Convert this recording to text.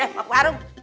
eh pak warung